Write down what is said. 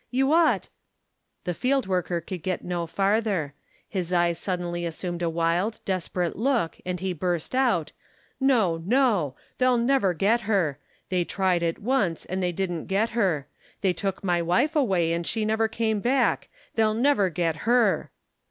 You ought The field worker could get no farther. His eyes sud denly assumed a wild, desperate look and he burst out, " No, no ! They'll never get her. They tried it once, but they didn't get her. They took my wife away and she never came back they'll never get her